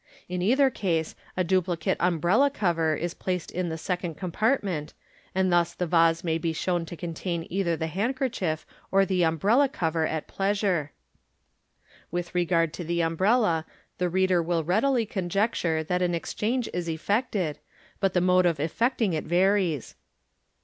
In either case a duplicate umbrella cover is placed in the second compartment, and thus the vase may be shown to contain either the handkerchief or the umbrella cover at pleasure. With regard to the umbrella, the reader will readily conjecture that an exchange is effected, but the mode of effecting it varies.